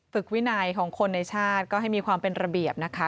วินัยของคนในชาติก็ให้มีความเป็นระเบียบนะคะ